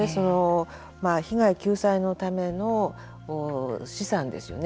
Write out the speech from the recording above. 被害救済のための資産ですよね